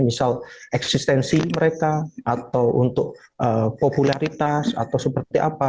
misal eksistensi mereka atau untuk popularitas atau seperti apa